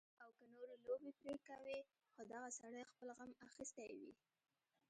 او کۀ نورې لوبې پرې کوي خو دغه سړے خپل غم اخستے وي